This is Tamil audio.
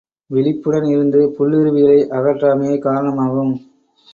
விழிப்புடன் இருந்து புல்லுருவிகளை அகற்றாமையே காரணமாகும்.